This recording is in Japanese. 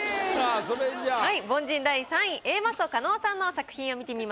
凡人第３位Ａマッソ加納さんの作品を見てみましょう。